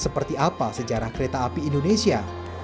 seperti apa sejarah kereta api indonesia